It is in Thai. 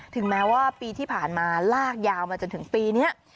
ถึงแม้ว่าปีที่ผ่านมาลากยาวมาจนถึงปีนี้